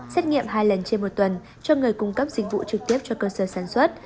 xét nghiệm hai lần trên một tuần cho người cung cấp dịch vụ trực tiếp cho cơ sở sản xuất